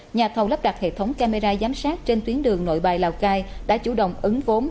nhà thầu lắp đặt hệ thống camera giám sát trên tuyến đường nội bài lào cai đã chủ động ứng vốn